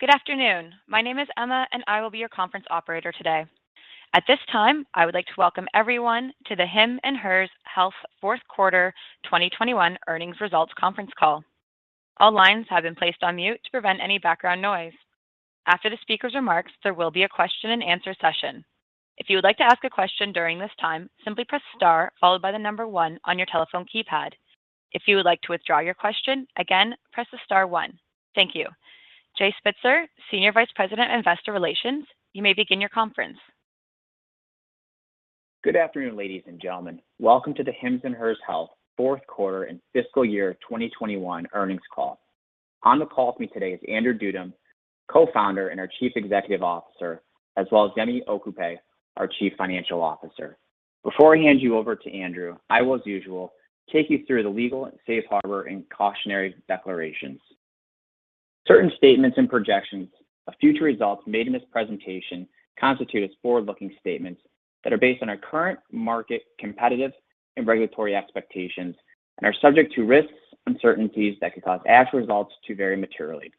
Good afternoon. My name is Emma, and I will be your conference operator today. At this time, I would like to welcome everyone to the Hims & Hers Health fourth quarter 2021 earnings results conference call. All lines have been placed on mute to prevent any background noise. After the speaker's remarks, there will be a question and answer session. If you would like to ask a question during this time, simply press star followed by the number one on your telephone keypad. If you would like to withdraw your question, again, press star one. Thank you. Jay Spitzer, Senior Vice President, Investor Relations, you may begin your conference. Good afternoon, ladies and gentlemen. Welcome to the Hims & Hers Health fourth quarter and fiscal year 2021 earnings call. On the call with me today is Andrew Dudum, Co-founder and our Chief Executive Officer, as well as Yemi Okupe, our Chief Financial Officer. Before I hand you over to Andrew, I will, as usual, take you through the legal safe harbor and cautionary declarations. Certain statements and projections of future results made in this presentation constitute as forward-looking statements that are based on our current market competitive and regulatory expectations and are subject to risks, uncertainties that could cause actual results to vary materially.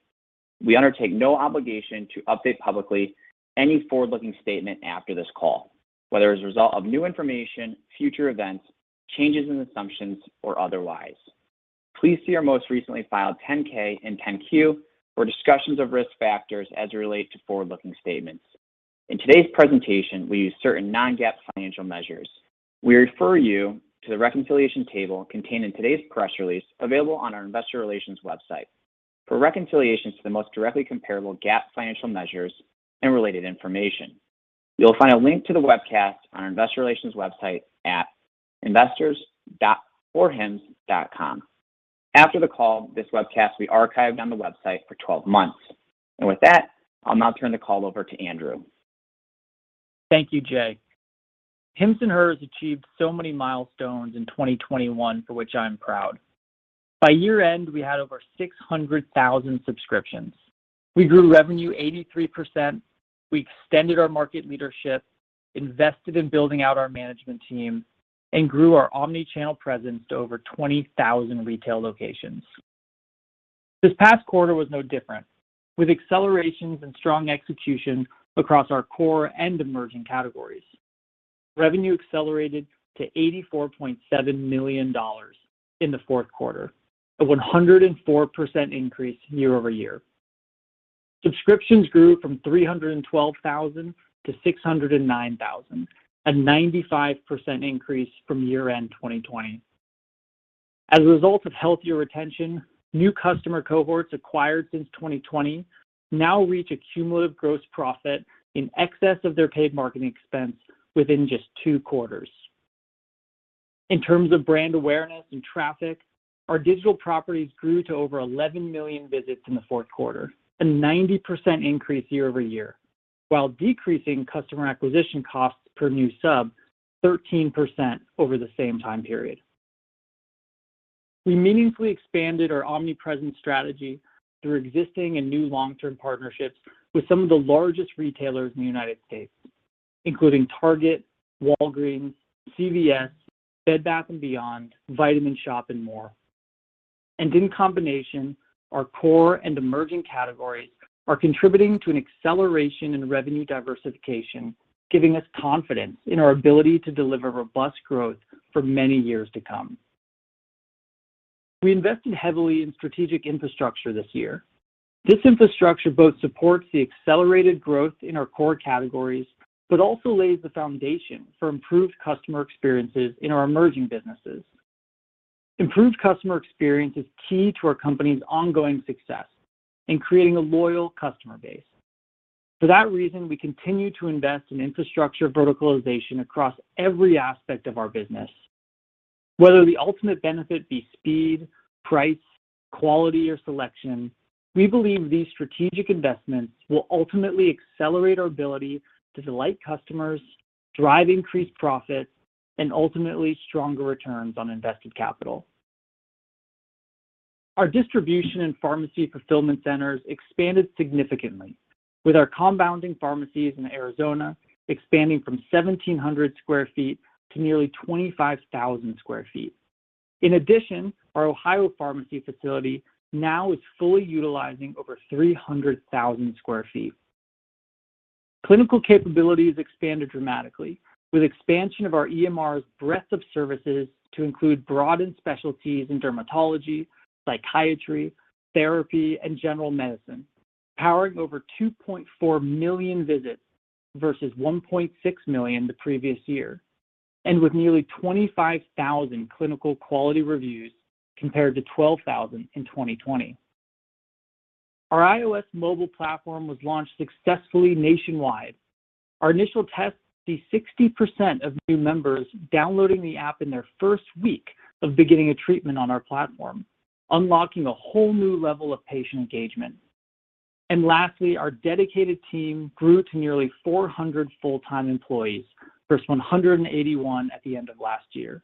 We undertake no obligation to update publicly any forward-looking statement after this call, whether as a result of new information, future events, changes in assumptions, or otherwise. Please see our most recently filed 10-K and 10-Q for discussions of risk factors as they relate to forward-looking statements. In today's presentation, we use certain non-GAAP financial measures. We refer you to the reconciliation table contained in today's press release, available on our investor relations website for reconciliations to the most directly comparable GAAP financial measures and related information. You'll find a link to the webcast on our investor relations website at investors.hims.com. After the call, this webcast will be archived on the website for 12 months. With that, I'll now turn the call over to Andrew Dudum. Thank you, Jay. Hims & Hers achieved so many milestones in 2021, for which I'm proud. By year-end, we had over 600,000 subscriptions. We grew revenue 83%. We extended our market leadership, invested in building out our management team, and grew our omni-channel presence to over 20,000 retail locations. This past quarter was no different, with accelerations and strong execution across our core and emerging categories. Revenue accelerated to $84.7 million in the fourth quarter, a 104% increase year-over-year. Subscriptions grew from 312,000-609,000, a 95% increase from year-end 2020. As a result of healthier retention, new customer cohorts acquired since 2020 now reach a cumulative gross profit in excess of their paid marketing expense within just two quarters. In terms of brand awareness and traffic, our digital properties grew to over 11 million visits in the fourth quarter, a 90% increase year-over-year, while decreasing customer acquisition costs per new sub 13% over the same time period. We meaningfully expanded our omnipresent strategy through existing and new long-term partnerships with some of the largest retailers in the United States, including Target, Walgreens, CVS, Bed Bath & Beyond, Vitamin Shoppe, and more. In combination, our core and emerging categories are contributing to an acceleration in revenue diversification, giving us confidence in our ability to deliver robust growth for many years to come. We invested heavily in strategic infrastructure this year. This infrastructure both supports the accelerated growth in our core categories, but also lays the foundation for improved customer experiences in our emerging businesses. Improved customer experience is key to our company's ongoing success in creating a loyal customer base. For that reason, we continue to invest in infrastructure verticalization across every aspect of our business. Whether the ultimate benefit be speed, price, quality, or selection, we believe these strategic investments will ultimately accelerate our ability to delight customers, drive increased profits, and ultimately stronger returns on invested capital. Our distribution and pharmacy fulfillment centers expanded significantly with our compounding pharmacies in Arizona expanding from 1,700 sq ft to nearly 25,000 sq ft. In addition, our Ohio pharmacy facility now is fully utilizing over 300,000 sq ft. Clinical capabilities expanded dramatically with expansion of our EMR's breadth of services to include broadened specialties in dermatology, psychiatry, therapy, and general medicine, powering over 2.4 million visits versus 1.6 million the previous year, and with nearly 25,000 clinical quality reviews compared to 12,000 in 2020. Our iOS mobile platform was launched successfully nationwide. Our initial test, the 60% of new members downloading the app in their first week of beginning a treatment on our platform, unlocking a whole new level of patient engagement. Lastly, our dedicated team grew to nearly 400 full-time employees versus 181 at the end of last year,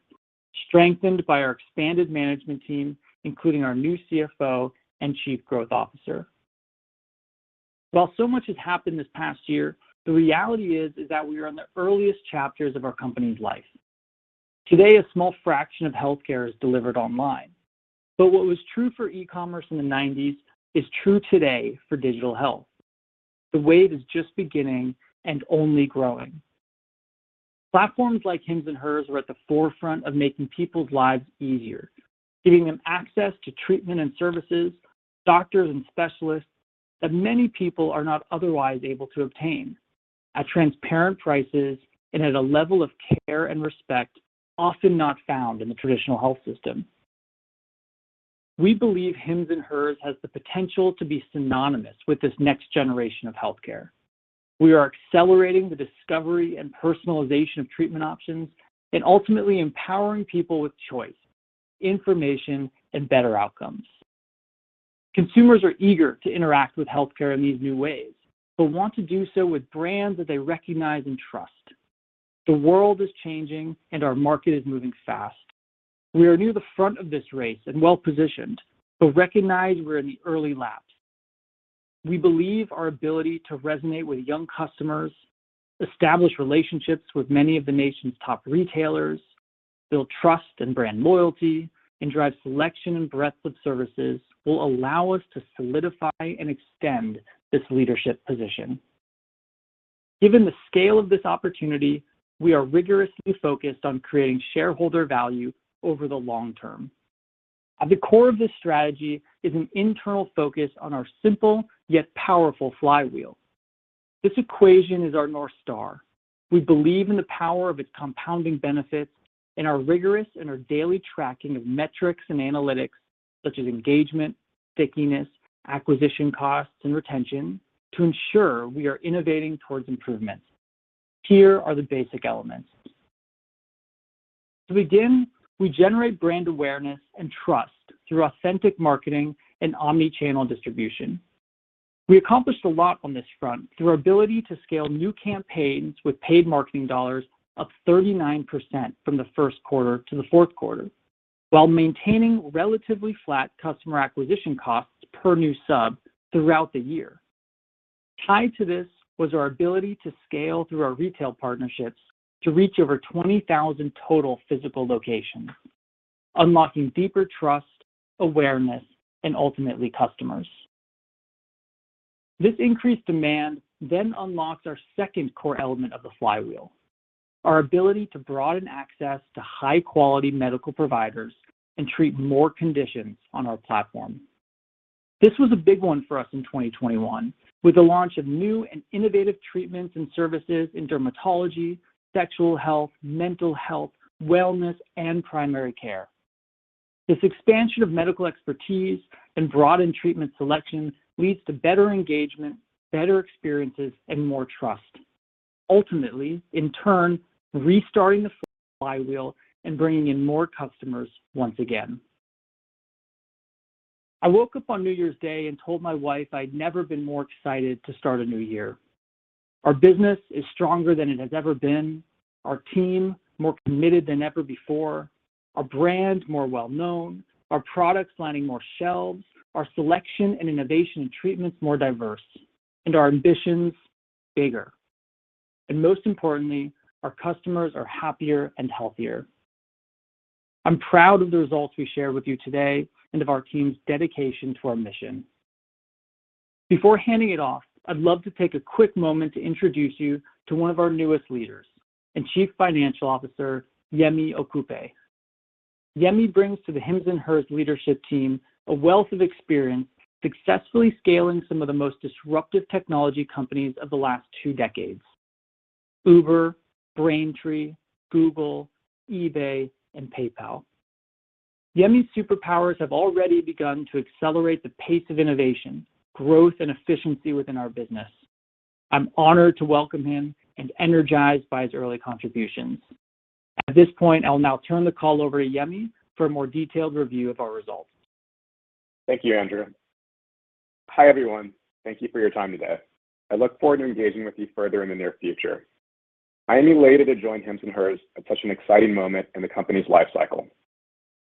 strengthened by our expanded management team, including our new CFO and Chief Growth Officer. While so much has happened this past year, the reality is that we are in the earliest chapters of our company's life. Today, a small fraction of healthcare is delivered online. What was true for e-commerce in the 1990s is true today for digital health. The wave is just beginning and only growing. Platforms like Hims & Hers are at the forefront of making people's lives easier, giving them access to treatment and services, doctors and specialists that many people are not otherwise able to obtain, at transparent prices and at a level of care and respect often not found in the traditional health system. We believe Hims & Hers has the potential to be synonymous with this next generation of healthcare. We are accelerating the discovery and personalization of treatment options and ultimately empowering people with choice, information, and better outcomes. Consumers are eager to interact with healthcare in these new ways, but want to do so with brands that they recognize and trust. The world is changing, and our market is moving fast. We are near the front of this race and well-positioned, but recognize we're in the early laps. We believe our ability to resonate with young customers, establish relationships with many of the nation's top retailers, build trust and brand loyalty, and drive selection and breadth of services will allow us to solidify and extend this leadership position. Given the scale of this opportunity, we are rigorously focused on creating shareholder value over the long term. At the core of this strategy is an internal focus on our simple yet powerful flywheel. This equation is our North Star. We believe in the power of its compounding benefits and are rigorous in our daily tracking of metrics and analytics, such as engagement, stickiness, acquisition costs, and retention, to ensure we are innovating towards improvement. Here are the basic elements. To begin, we generate brand awareness and trust through authentic marketing and omni-channel distribution. We accomplished a lot on this front through our ability to scale new campaigns with paid marketing dollars up 39% from the first quarter to the fourth quarter, while maintaining relatively flat customer acquisition costs per new sub throughout the year. Tied to this was our ability to scale through our retail partnerships to reach over 20,000 total physical locations, unlocking deeper trust, awareness, and ultimately, customers. This increased demand then unlocks our second core element of the flywheel, our ability to broaden access to high-quality medical providers and treat more conditions on our platform. This was a big one for us in 2021, with the launch of new and innovative treatments and services in dermatology, sexual health, mental health, wellness, and primary care. This expansion of medical expertise and broadened treatment selection leads to better engagement, better experiences, and more trust. Ultimately, in turn, restarting the flywheel and bringing in more customers once again. I woke up on New Year's Day and told my wife I'd never been more excited to start a new year. Our business is stronger than it has ever been, our team more committed than ever before, our brand more well-known, our products lining more shelves, our selection and innovation in treatments more diverse, and our ambitions bigger. Most importantly, our customers are happier and healthier. I'm proud of the results we shared with you today and of our team's dedication to our mission. Before handing it off, I'd love to take a quick moment to introduce you to one of our newest leaders and Chief Financial Officer, Yemi Okupe. Yemi brings to the Hims & Hers leadership team a wealth of experience successfully scaling some of the most disruptive technology companies of the last two decades, Uber, Braintree, Google, eBay, and PayPal. Yemi's superpowers have already begun to accelerate the pace of innovation, growth, and efficiency within our business. I'm honored to welcome him and energized by his early contributions. At this point, I'll now turn the call over to Yemi for a more detailed review of our results. Thank you, Andrew. Hi, everyone. Thank you for your time today. I look forward to engaging with you further in the near future. I am elated to join Hims & Hers at such an exciting moment in the company's life cycle.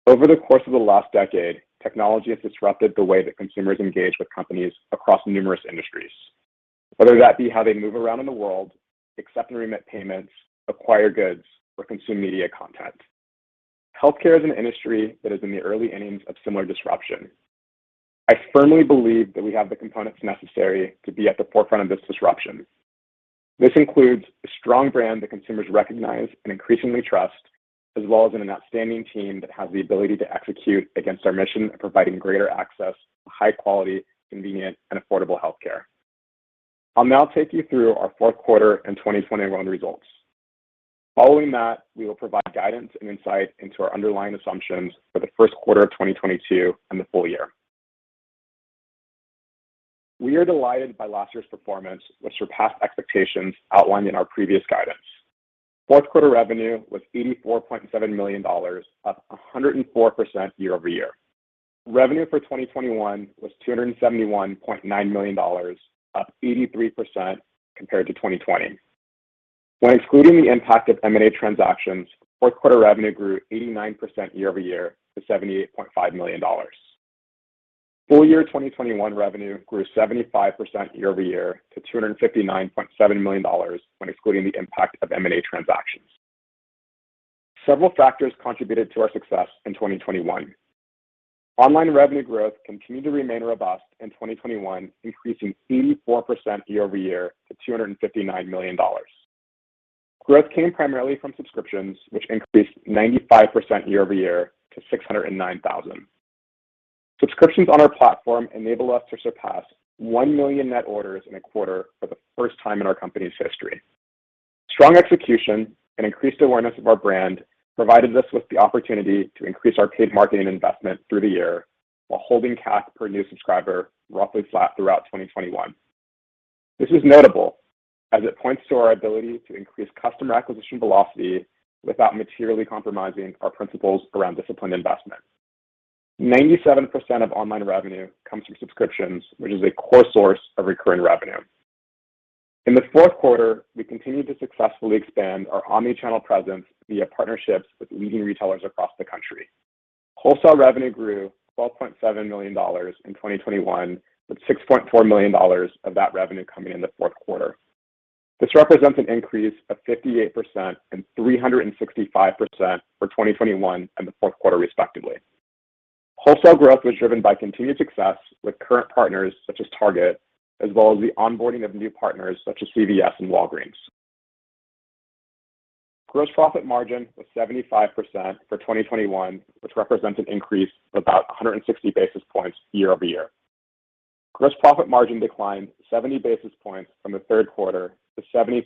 Over the course of the last decade, technology has disrupted the way that consumers engage with companies across numerous industries, whether that be how they move around in the world, accept and remit payments, acquire goods, or consume media content. Healthcare is an industry that is in the early innings of similar disruption. I firmly believe that we have the components necessary to be at the forefront of this disruption. This includes a strong brand that consumers recognize and increasingly trust, as well as an outstanding team that has the ability to execute against our mission of providing greater access to high quality, convenient, and affordable healthcare. I'll now take you through our fourth quarter and 2021 results. Following that, we will provide guidance and insight into our underlying assumptions for the first quarter of 2022 and the full year. We are delighted by last year's performance, which surpassed expectations outlined in our previous guidance. Fourth quarter revenue was $84.7 million, up 104% year-over-year. Revenue for 2021 was $271.9 million, up 83% compared to 2020. When excluding the impact of M&A transactions, fourth quarter revenue grew 89% year-over-year to $78.5 million. Full year 2021 revenue grew 75% year-over-year to $259.7 million when excluding the impact of M&A transactions. Several factors contributed to our success in 2021. Online revenue growth continued to remain robust in 2021, increasing 84% year over year to $259 million. Growth came primarily from subscriptions, which increased 95% year over year to 609,000. Subscriptions on our platform enable us to surpass 1 million net orders in a quarter for the first time in our company's history. Strong execution and increased awareness of our brand provided us with the opportunity to increase our paid marketing investment through the year while holding cash per new subscriber roughly flat throughout 2021. This is notable as it points to our ability to increase customer acquisition velocity without materially compromising our principles around disciplined investment. 97% of online revenue comes from subscriptions, which is a core source of recurring revenue. In the fourth quarter, we continued to successfully expand our omni-channel presence via partnerships with leading retailers across the country. Wholesale revenue grew $12.7 million in 2021, with $6.4 million of that revenue coming in the fourth quarter. This represents an increase of 58% and 365% for 2021 and the fourth quarter, respectively. Wholesale growth was driven by continued success with current partners such as Target, as well as the onboarding of new partners such as CVS and Walgreens. Gross profit margin was 75% for 2021, which represents an increase of about 160 basis points year over year. Gross profit margin declined 70 basis points from the third quarter to 73%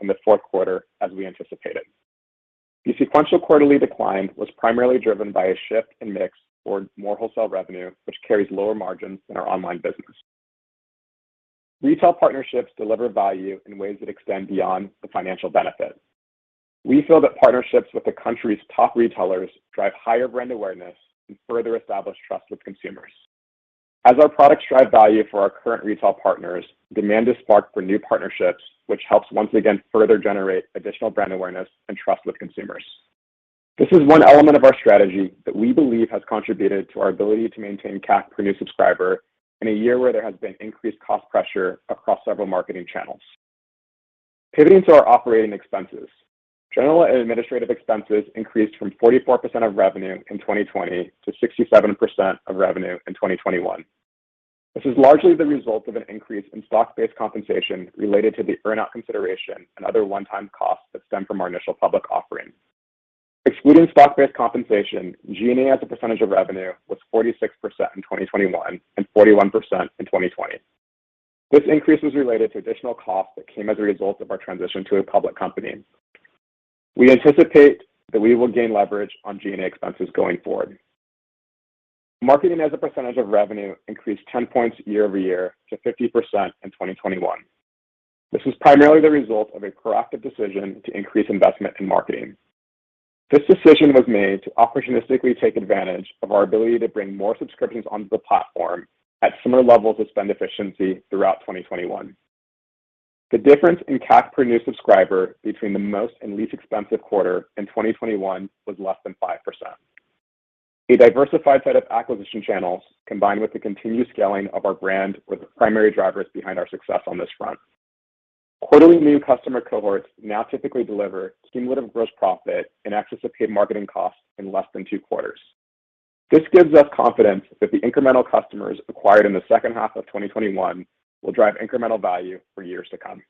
in the fourth quarter, as we anticipated. The sequential quarterly decline was primarily driven by a shift in mix towards more wholesale revenue, which carries lower margins than our online business. Retail partnerships deliver value in ways that extend beyond the financial benefit. We feel that partnerships with the country's top retailers drive higher brand awareness and further establish trust with consumers. As our products drive value for our current retail partners, demand is sparked for new partnerships, which helps once again further generate additional brand awareness and trust with consumers. This is one element of our strategy that we believe has contributed to our ability to maintain CAC per new subscriber in a year where there has been increased cost pressure across several marketing channels. Pivoting to our operating expenses. General and administrative expenses increased from 44% of revenue in 2020 to 67% of revenue in 2021. This is largely the result of an increase in stock-based compensation related to the earnout consideration and other one-time costs that stem from our initial public offering. Excluding stock-based compensation, G&A as a percentage of revenue was 46% in 2021 and 41% in 2020. This increase was related to additional costs that came as a result of our transition to a public company. We anticipate that we will gain leverage on G&A expenses going forward. Marketing as a percentage of revenue increased 10 points year-over-year to 50% in 2021. This was primarily the result of a proactive decision to increase investment in marketing. This decision was made to opportunistically take advantage of our ability to bring more subscriptions onto the platform at similar levels of spend efficiency throughout 2021. The difference in CAC per new subscriber between the most and least expensive quarter in 2021 was less than 5%. A diversified set of acquisition channels, combined with the continued scaling of our brand, were the primary drivers behind our success on this front. Quarterly new customer cohorts now typically deliver cumulative gross profit in excess of paid marketing costs in less than two quarters. This gives us confidence that the incremental customers acquired in the second half of 2021 will drive incremental value for years to come.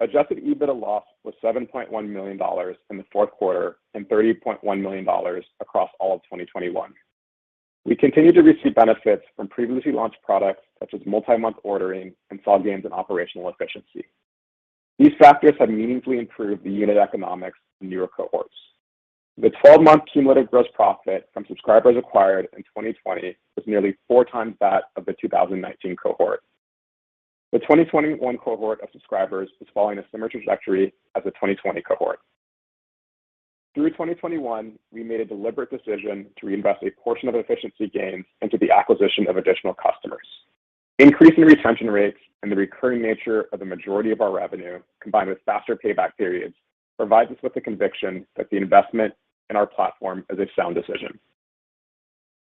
Adjusted EBITDA loss was $7.1 million in the fourth quarter and $30.1 million across all of 2021. We continue to receive benefits from previously launched products such as multi-month ordering and saw gains in operational efficiency. These factors have meaningfully improved the unit economics in newer cohorts. The 12 month cumulative gross profit from subscribers acquired in 2020 was nearly four times that of the 2019 cohort. The 2021 cohort of subscribers is following a similar trajectory as the 2020 cohort. Through 2021, we made a deliberate decision to reinvest a portion of efficiency gains into the acquisition of additional customers. Increasing retention rates and the recurring nature of the majority of our revenue, combined with faster payback periods, provides us with the conviction that the investment in our platform is a sound decision.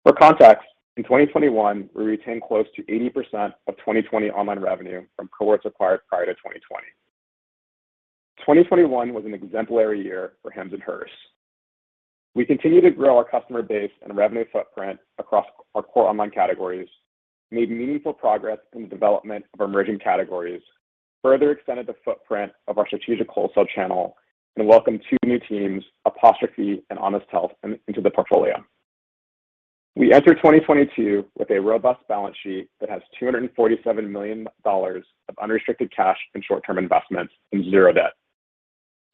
For context, in 2021, we retained close to 80% of 2020 online revenue from cohorts acquired prior to 2020. 2021 was an exemplary year for Hims & Hers. We continue to grow our customer base and revenue footprint across our core online categories, made meaningful progress in the development of our emerging categories, further extended the footprint of our strategic wholesale channel, and welcomed two new teams, Apostrophe and Honest Health, into the portfolio. We enter 2022 with a robust balance sheet that has $247 million of unrestricted cash and short-term investments and 0 debt.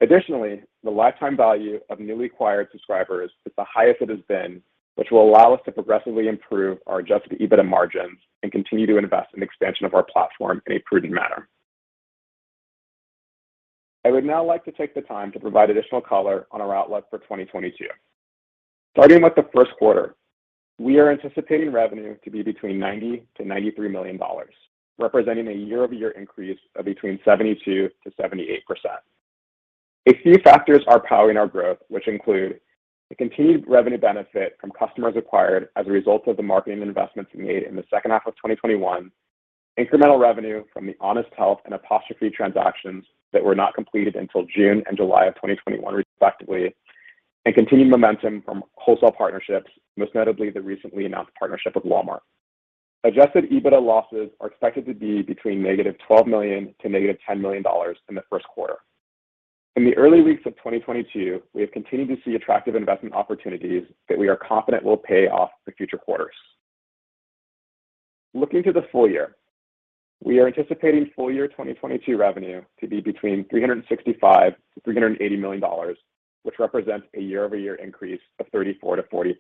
Additionally, the lifetime value of newly acquired subscribers is the highest it has been, which will allow us to progressively improve our adjusted EBITDA margins and continue to invest in expansion of our platform in a prudent manner. I would now like to take the time to provide additional color on our outlook for 2022. Starting with the first quarter, we are anticipating revenue to be between $90 million-$93 million, representing a year-over-year increase of between 72%-78%. A few factors are powering our growth, which include the continued revenue benefit from customers acquired as a result of the marketing investments we made in the second half of 2021, incremental revenue from the Honest Health and Apostrophe transactions that were not completed until June and July of 2021 respectively, and continued momentum from wholesale partnerships, most notably the recently announced partnership with Walmart. Adjusted EBITDA losses are expected to be between -$12 million to -$10 million in the first quarter. In the early weeks of 2022, we have continued to see attractive investment opportunities that we are confident will pay off for future quarters. Looking to the full year, we are anticipating full year 2022 revenue to be between $365 million-$380 million, which represents a year-over-year increase of 34%-40%.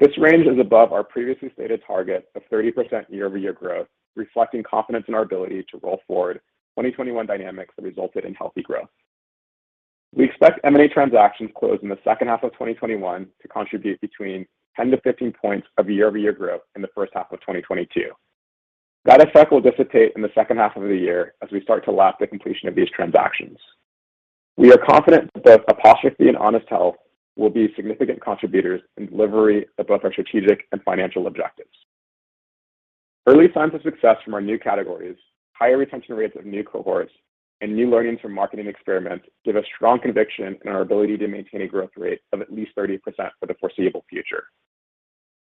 This range is above our previously stated target of 30% year-over-year growth, reflecting confidence in our ability to roll forward 2021 dynamics that resulted in healthy growth. We expect M&A transactions closed in the second half of 2021 to contribute between 10-15 points of year-over-year growth in the first half of 2022. That effect will dissipate in the second half of the year as we start to lap the completion of these transactions. We are confident that Apostrophe and Honest Health will be significant contributors in delivery of both our strategic and financial objectives. Early signs of success from our new categories, higher retention rates of new cohorts, and new learnings from marketing experiments give us strong conviction in our ability to maintain a growth rate of at least 30% for the foreseeable future.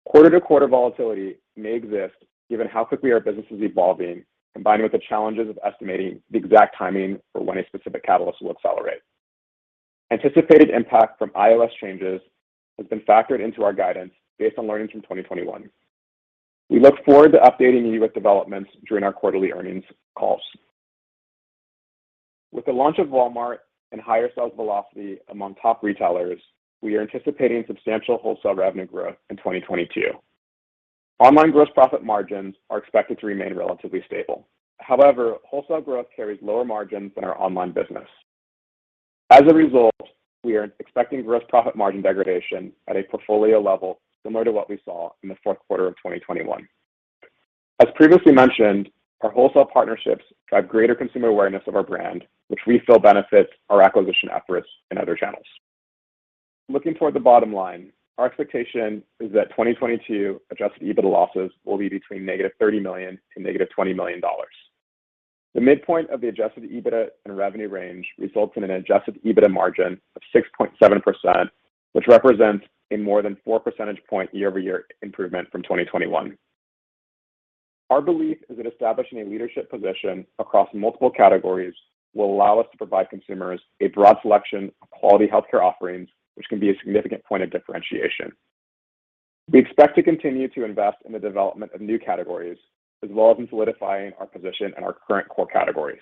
Quarter-to-quarter volatility may exist given how quickly our business is evolving, combined with the challenges of estimating the exact timing for when a specific catalyst will accelerate. Anticipated impact from iOS changes has been factored into our guidance based on learnings from 2021. We look forward to updating you with developments during our quarterly earnings calls. With the launch of Walmart and higher sales velocity among top retailers, we are anticipating substantial wholesale revenue growth in 2022. Online gross profit margins are expected to remain relatively stable. However, wholesale growth carries lower margins than our online business. As a result, we are expecting gross profit margin degradation at a portfolio level similar to what we saw in the fourth quarter of 2021. As previously mentioned, our wholesale partnerships drive greater consumer awareness of our brand, which we feel benefits our acquisition efforts in other channels. Looking toward the bottom line, our expectation is that 2022 adjusted EBITDA losses will be between -$30 million to -$20 million. The midpoint of the adjusted EBITDA and revenue range results in an adjusted EBITDA margin of 6.7%, which represents a more than four percentage point year-over-year improvement from 2021. Our belief is that establishing a leadership position across multiple categories will allow us to provide consumers a broad selection of quality healthcare offerings, which can be a significant point of differentiation. We expect to continue to invest in the development of new categories, as well as in solidifying our position in our current core categories.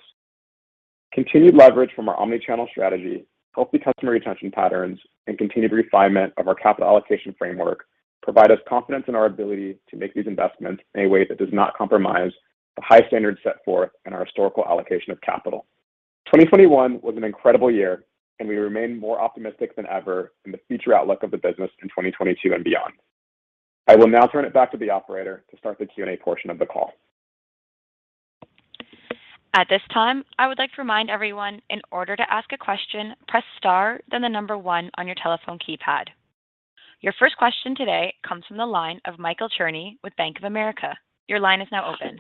Continued leverage from our omni-channel strategy, healthy customer retention patterns, and continued refinement of our capital allocation framework provide us confidence in our ability to make these investments in a way that does not compromise the high standards set forth in our historical allocation of capital. 2021 was an incredible year, and we remain more optimistic than ever in the future outlook of the business in 2022 and beyond. I will now turn it back to the operator to start the Q&A portion of the call. At this time, I would like to remind everyone, in order to ask a question, press star, then the number one on your telephone keypad. Your first question today comes from the line of Michael Cherny with Bank of America. Your line is now open.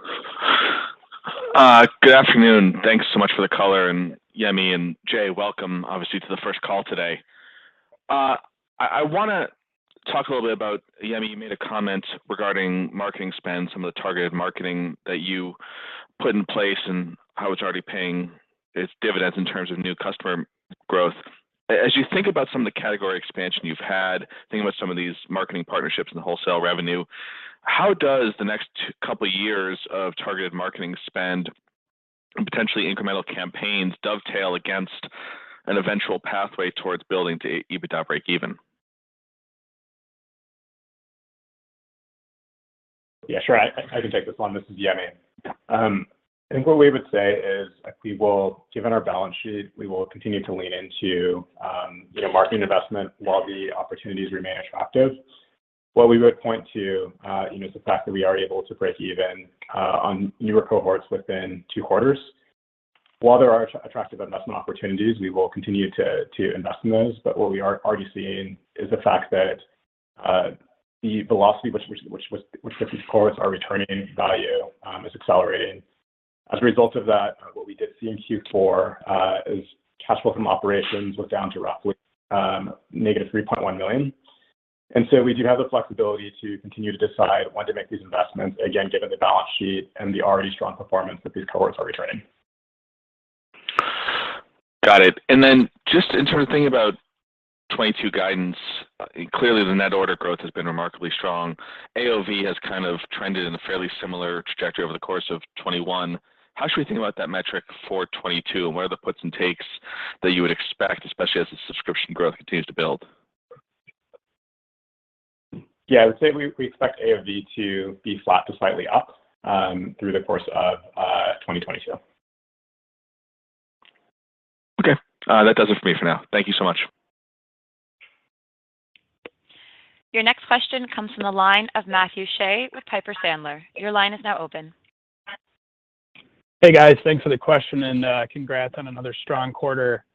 Good afternoon. Thanks so much for the color, and Yemi and Jay, welcome obviously to the first call today. I wanna talk a little bit about, Yemi, you made a comment regarding marketing spend, some of the targeted marketing that you put in place and how it's already paying its dividends in terms of new customer growth. As you think about some of the category expansion you've had, thinking about some of these marketing partnerships and the wholesale revenue, how does the next couple years of targeted marketing spend and potentially incremental campaigns dovetail against an eventual pathway towards building to EBITDA breakeven? Yeah, sure. I can take this one. This is Yemi. I think what we would say is, given our balance sheet, we will continue to lean into, you know, marketing investment while the opportunities remain attractive. What we would point to, you know, is the fact that we are able to break even on newer cohorts within 2 quarters. While there are attractive investment opportunities, we will continue to invest in those, but what we are already seeing is the fact that the velocity which different cohorts are returning value is accelerating. As a result of that, what we did see in Q4 is cash flow from operations was down to roughly -$3.1 million. We do have the flexibility to continue to decide when to make these investments, again, given the balance sheet and the already strong performance that these cohorts are returning. Got it. Just in terms of thinking about 2022 guidance, clearly the net order growth has been remarkably strong. AOV has kind of trended in a fairly similar trajectory over the course of 2021. How should we think about that metric for 2022, and what are the puts and takes that you would expect, especially as the subscription growth continues to build? Yeah, I would say we expect AOV to be flat to slightly up through the course of 2022. Okay. That does it for me for now. Thank you so much. Your next question comes from the line of Matthew Shea with Piper Sandler. Your line is now open. Hey, guys. Thanks for the question, and congrats on another strong quarter.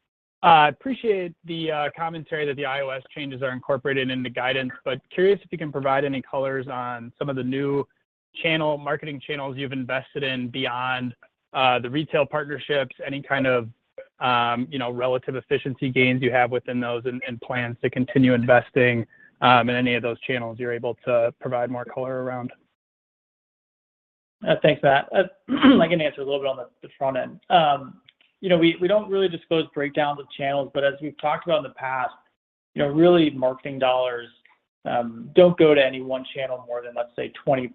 Appreciate the commentary that the iOS changes are incorporated in the guidance, but curious if you can provide any colors on some of the new channel, marketing channels you've invested in beyond the retail partnerships. Any kind of, you know, relative efficiency gains you have within those and plans to continue investing in any of those channels you're able to provide more color around. Thanks for that. I can answer a little bit on the front end. You know, we don't really disclose breakdowns of channels, but as we've talked about in the past, you know, really, marketing dollars don't go to any one channel more than, let's say, 20%.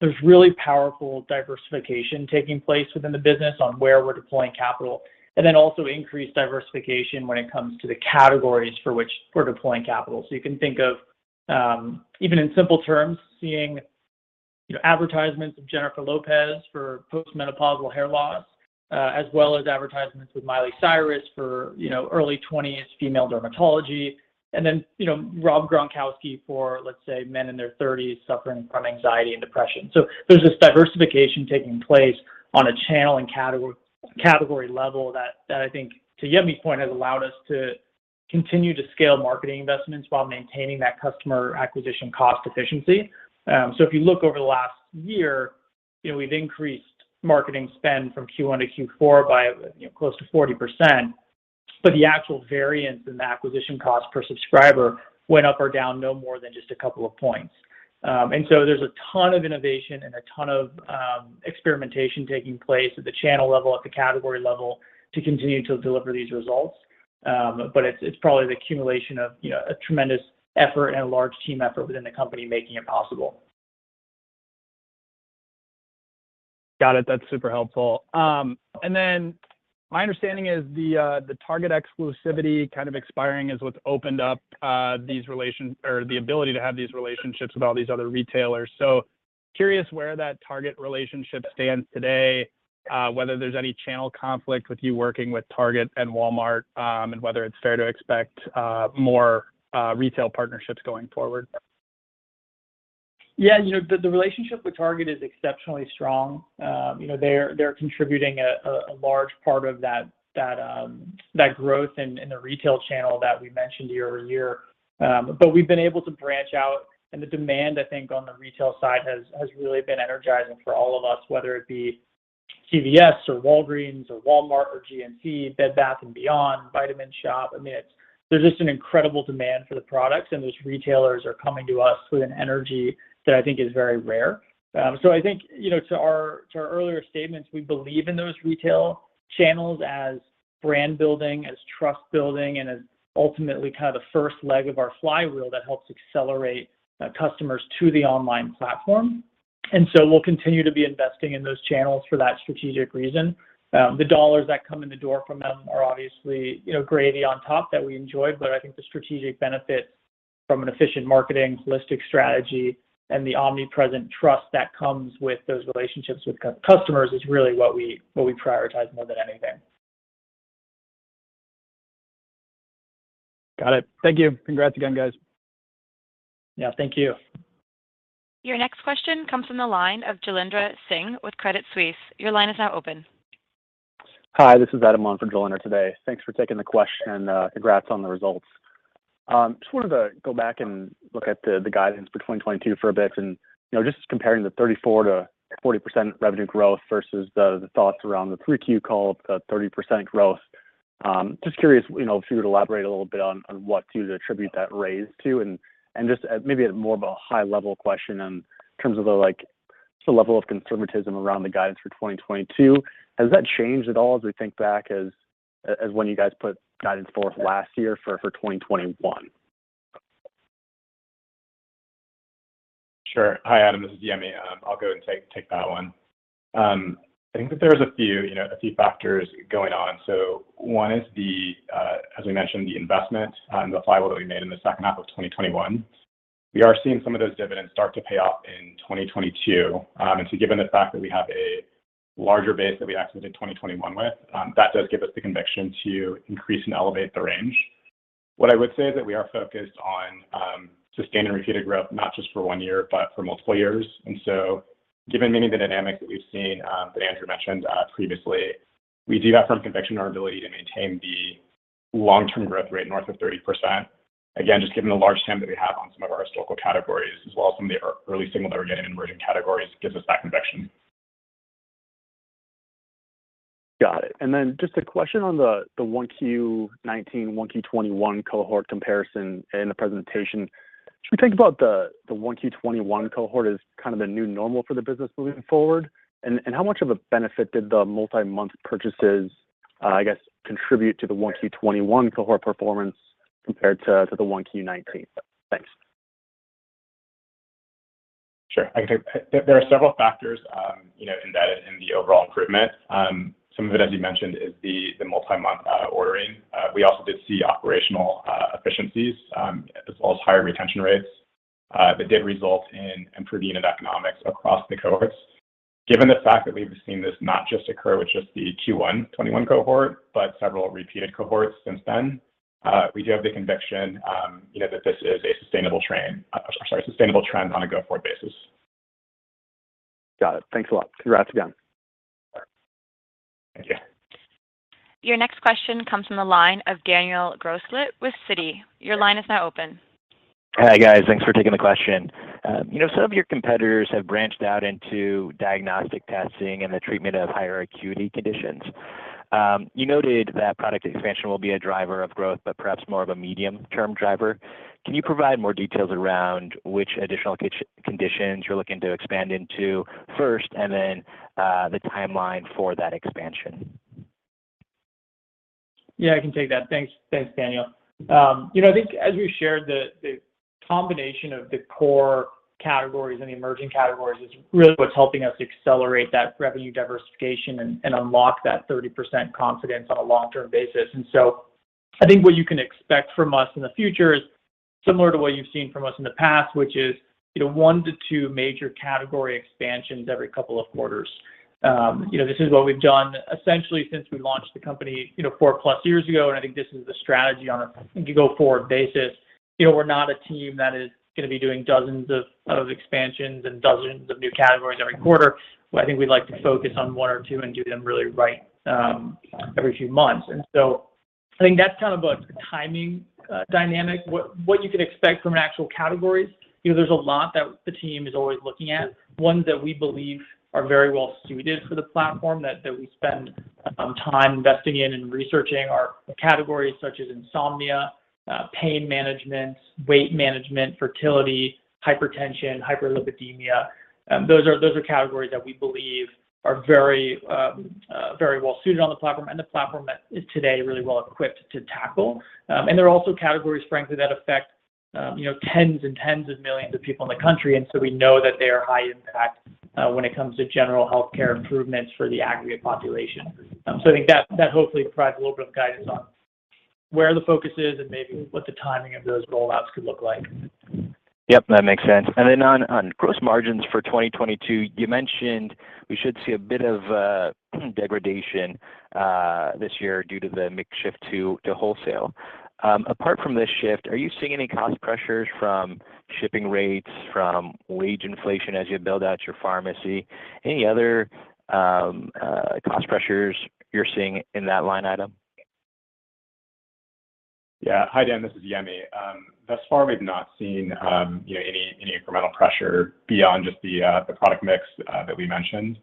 There's really powerful diversification taking place within the business on where we're deploying capital, and then also increased diversification when it comes to the categories for which we're deploying capital. You can think of even in simple terms seeing you know advertisements of Jennifer Lopez for post-menopausal hair loss as well as advertisements with Miley Cyrus for you know early twenties female dermatology, and then you know Rob Gronkowski for let's say men in their thirties suffering from anxiety and depression. There's this diversification taking place on a channel and category level that I think, to Yemi's point, has allowed us to continue to scale marketing investments while maintaining that customer acquisition cost efficiency. If you look over the last year, you know, we've increased marketing spend from Q1 to Q4 by, you know, close to 40%, but the actual variance in the acquisition cost per subscriber went up or down no more than just a couple of points. There's a ton of innovation and a ton of experimentation taking place at the channel level, at the category level to continue to deliver these results. It's probably the accumulation of, you know, a tremendous effort and a large team effort within the company making it possible. Got it. That's super helpful. My understanding is the Target exclusivity kind of expiring is what's opened up these relations or the ability to have these relationships with all these other retailers. Curious where that Target relationship stands today, whether there's any channel conflict with you working with Target and Walmart, and whether it's fair to expect more retail partnerships going forward. Yeah. You know, the relationship with Target is exceptionally strong. You know, they're contributing a large part of that growth in the retail channel that we mentioned year-over-year. We've been able to branch out, and the demand, I think, on the retail side has really been energizing for all of us, whether it be CVS or Walgreens or Walmart or GNC, Bed Bath & Beyond, Vitamin Shoppe. I mean, there's just an incredible demand for the products, and those retailers are coming to us with an energy that I think is very rare. I think, you know, to our earlier statements, we believe in those retail channels as brand building, as trust building, and as ultimately kind of the first leg of our flywheel that helps accelerate customers to the online platform. We'll continue to be investing in those channels for that strategic reason. The dollars that come in the door from them are obviously, you know, gravy on top that we enjoy, but I think the strategic benefit from an efficient marketing holistic strategy and the omnipresent trust that comes with those relationships with customers is really what we prioritize more than anything. Got it. Thank you. Congrats again, guys. Yeah, thank you. Your next question comes from the line of Jailendra Singh with Credit Suisse. Your line is now open. Hi, this is Adam on for Jailendra today. Thanks for taking the question, congrats on the results. Just wanted to go back and look at the guidance for 2022 for a bit. You know, just comparing the 34%-40% revenue growth versus the thoughts around the 3Q call, the 30% growth. Just curious, you know, if you would elaborate a little bit on what you would attribute that raise to. Just maybe more of a high level question in terms of the like, the level of conservatism around the guidance for 2022. Has that changed at all as we think back when you guys put guidance forth last year for 2021? Sure. Hi, Adam, this is Yemi. I'll go and take that one. I think that there's a few, you know, a few factors going on. One is the, as we mentioned, the investment and the flywheel that we made in the second half of 2021. We are seeing some of those dividends start to pay off in 2022. Given the fact that we have a larger base that we exited 2021 with, that does give us the conviction to increase and elevate the range. What I would say is that we are focused on sustained and repeated growth, not just for one year, but for multiple years. Given many of the dynamics that we've seen, that Andrew mentioned, previously, we do have firm conviction in our ability to maintain the long-term growth rate north of 30%. Again, just given the large TAM that we have on some of our historical categories as well as some of the early signal that we're getting in emerging categories gives us that conviction. Got it. Just a question on the 1Q 2019, 1Q 2021 cohort comparison in the presentation. Should we think about the 1Q 2021 cohort as kind of the new normal for the business moving forward? How much of a benefit did the multi-month purchases, I guess, contribute to the 1Q 2021 cohort performance compared to the 1Q 2019? Thanks. Sure. There are several factors, you know, in that, in the overall improvement. Some of it, as you mentioned, is the multi-month ordering. We also did see operational efficiencies, as well as higher retention rates, that did result in improving the economics across the cohorts. Given the fact that we've seen this not just occur with just the Q1 2021 cohort, but several repeated cohorts since then, we do have the conviction, you know, that this is a sustainable trend on a go-forward basis. Got it. Thanks a lot. Congrats again. Thank you. Your next question comes from the line of Daniel Grosslight with Citi. Your line is now open. Hi, guys. Thanks for taking the question. You know, some of your competitors have branched out into diagnostic testing and the treatment of higher acuity conditions. You noted that product expansion will be a driver of growth, but perhaps more of a medium-term driver. Can you provide more details around which additional conditions you're looking to expand into first, and then the timeline for that expansion? Yeah, I can take that. Thanks, Daniel. You know, I think as we shared, the combination of the core categories and the emerging categories is really what's helping us accelerate that revenue diversification and unlock that 30% confidence on a long-term basis. I think what you can expect from us in the future is similar to what you've seen from us in the past, which is, you know, one-two major category expansions every couple of quarters. You know, this is what we've done essentially since we launched the company, you know, four+ years ago, and I think this is the strategy on a go-forward basis. You know, we're not a team that is gonna be doing dozens of expansions and dozens of new categories every quarter. I think we'd like to focus on one or two and do them really right, every few months. I think that's kind of a timing dynamic. What you can expect from any categories, you know, there's a lot that the team is always looking at. Ones that we believe are very well suited for the platform that we spend some time investing in and researching are categories such as insomnia, pain management, weight management, fertility, hypertension, hyperlipidemia. Those are categories that we believe are very well suited for the platform and the platform that is today really well equipped to tackle. They're also categories, frankly, that affect you know, tens and tens of millions of people in the country, and so we know that they are high impact when it comes to general healthcare improvements for the aggregate population. I think that hopefully provides a little bit of guidance on where the focus is and maybe what the timing of those roll-outs could look like. Yep, that makes sense. On gross margins for 2022, you mentioned we should see a bit of degradation this year due to the mix shift to wholesale. Apart from this shift, are you seeing any cost pressures from shipping rates, from wage inflation as you build out your pharmacy? Any other cost pressures you're seeing in that line item? Yeah. Hi, Dan. This is Yemi. Thus far, we've not seen, you know, any incremental pressure beyond just the product mix that we mentioned.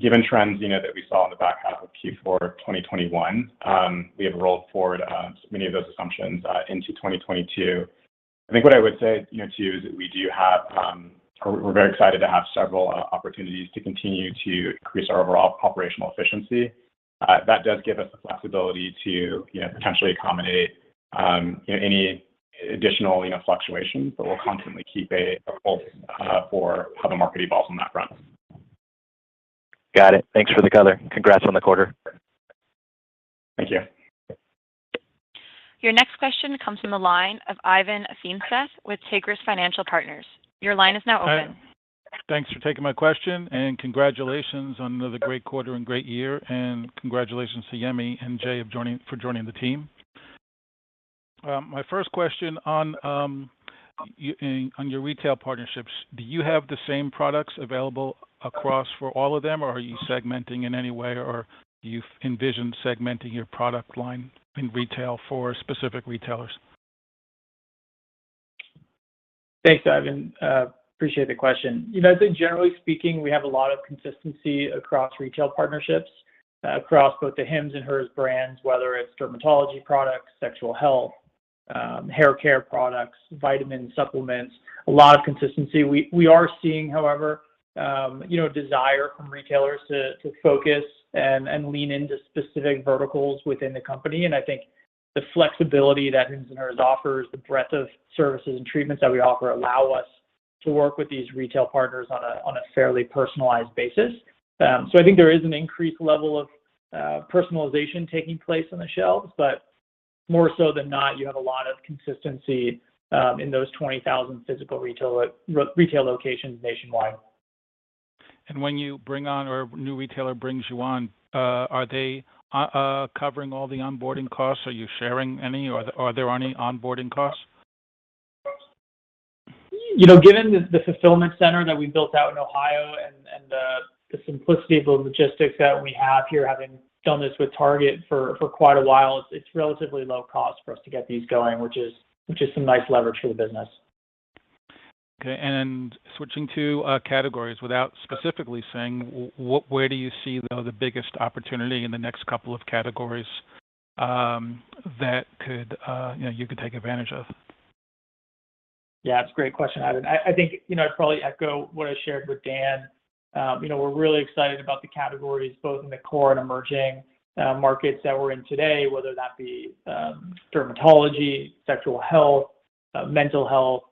Given trends, you know, that we saw in the back half of Q4 2021, we have rolled forward many of those assumptions into 2022. I think what I would say, you know, too, is that we do have, or we're very excited to have several opportunities to continue to increase our overall operational efficiency. That does give us the flexibility to, you know, potentially accommodate, you know, any additional, you know, fluctuations, but we'll constantly keep a pulse for how the market evolves on that front. Got it. Thanks for the color. Congrats on the quarter. Thank you. Your next question comes from the line of Ivan Feinseth with Tigress Financial Partners. Your line is now open. Hi. Thanks for taking my question, and congratulations on another great quarter and great year, and congratulations to Yemi and Jay for joining the team. My first question on your retail partnerships. Do you have the same products available across all of them, or are you segmenting in any way, or do you envision segmenting your product line in retail for specific retailers? Thanks, Ivan. Appreciate the question. You know, I think generally speaking, we have a lot of consistency across retail partnerships across both the Hims & Hers brands, whether it's dermatology products, sexual health, hair care products, vitamins, supplements. A lot of consistency. We are seeing, however, you know, desire from retailers to focus and lean into specific verticals within the company. I think the flexibility that Hims & Hers offers, the breadth of services and treatments that we offer allow us to work with these retail partners on a fairly personalized basis. I think there is an increased level of personalization taking place on the shelves, but more so than not, you have a lot of consistency in those 20,000 physical retail locations nationwide. When you bring on or a new retailer brings you on, are they covering all the onboarding costs? Are you sharing any or are there any onboarding costs? You know, given the fulfillment center that we built out in Ohio and the simplicity of the logistics that we have here, having done this with Target for quite a while, it's relatively low cost for us to get these going, which is some nice leverage for the business. Okay. Switching to categories, without specifically saying where do you see the biggest opportunity in the next couple of categories that could, you know, you could take advantage of? Yeah, it's a great question, Ivan. I think, you know, I'd probably echo what I shared with Dan. You know, we're really excited about the categories both in the core and emerging markets that we're in today, whether that be dermatology, sexual health, mental health.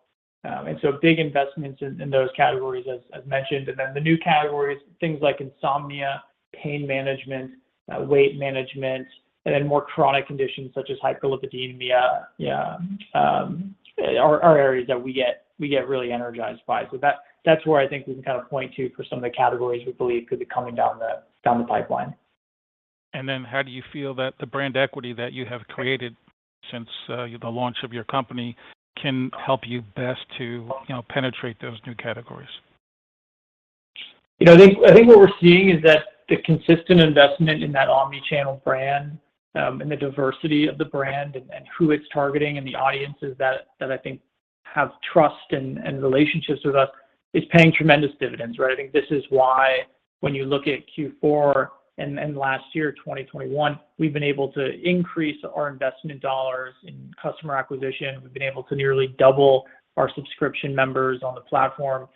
Big investments in those categories as mentioned. Then the new categories, things like insomnia, pain management, weight management, and then more chronic conditions such as hyperlipidemia are areas that we get really energized by. That's where I think we can kind of point to for some of the categories we believe could be coming down the pipeline. How do you feel that the brand equity that you have created since the launch of your company can help you best to penetrate those new categories? You know, I think what we're seeing is that the consistent investment in that omni-channel brand, and the diversity of the brand and who it's targeting and the audiences that I think have trust and relationships with us is paying tremendous dividends, right? I think this is why when you look at Q4 and last year, 2021, we've been able to increase our investment dollars in customer acquisition. We've been able to nearly double our subscription members on the platform.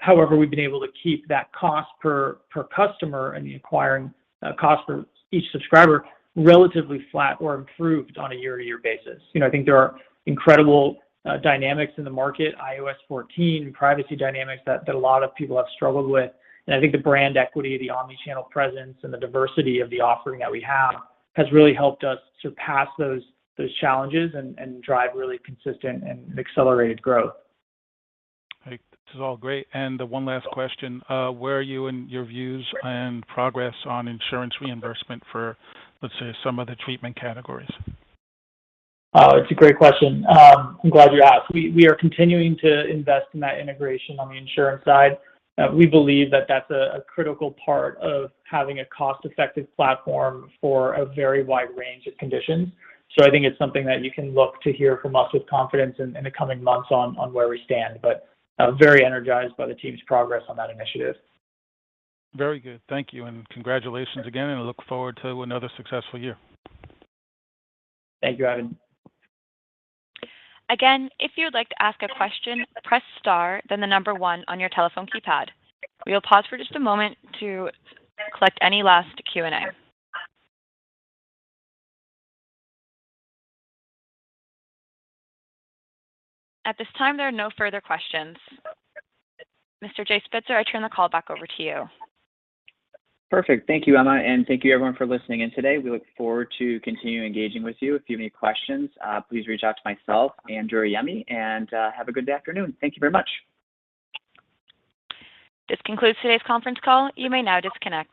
However, we've been able to keep that cost per customer and the acquiring cost per each subscriber relatively flat or improved on a year-to-year basis. You know, I think there are incredible dynamics in the market, iOS 14 privacy dynamics that a lot of people have struggled with. I think the brand equity, the omni-channel presence, and the diversity of the offering that we have has really helped us surpass those challenges and drive really consistent and accelerated growth. Great. This is all great. One last question. Where are you in your views and progress on insurance reimbursement for, let's say, some of the treatment categories? Oh, it's a great question. I'm glad you asked. We are continuing to invest in that integration on the insurance side. We believe that that's a critical part of having a cost-effective platform for a very wide range of conditions. I think it's something that you can look to hear from us with confidence in the coming months on where we stand. I'm very energized by the team's progress on that initiative. Very good. Thank you, and congratulations again, and we look forward to another successful year. Thank you, Ivan. Again, if you would like to ask a question, press star then the number one on your telephone keypad. We will pause for just a moment to collect any last Q&A. At this time, there are no further questions. Mr. Jay Spitzer, I turn the call back over to you. Perfect. Thank you, Emma, and thank you everyone for listening in today. We look forward to continuing engaging with you. If you have any questions, please reach out to myself, Andrew or Yemi, and have a good afternoon. Thank you very much. This concludes today's conference call. You may now disconnect.